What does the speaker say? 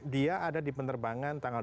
dia ada di penerbangan tanggal